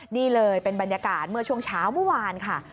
นี่เลยเป็นบรรยากาศเมื่อช่วงเช้าเมื่อวานค่ะ